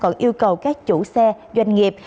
còn yêu cầu các chủ xe doanh nghiệp